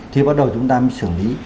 thì bắt đầu chúng ta mới xử lý